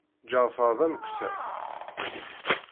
Ǧeɛfer d ameksa.